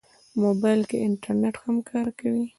موبایل کې انټرنیټ هم کار کوي.